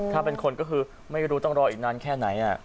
ถ้าเป็นคนก็คือไม่รู้ต้องรออีกนานแค่ไหน